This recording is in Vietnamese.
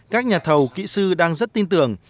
các nhà thầu kỹ sư đang rất tin tưởng